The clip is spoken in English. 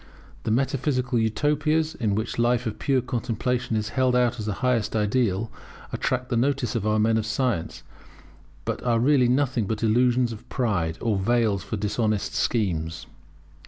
The metaphysical Utopias, in which a life of pure contemplation is held out as the highest ideal, attract the notice of our men of science; but are really nothing but illusions of pride, or veils for dishonest schemes.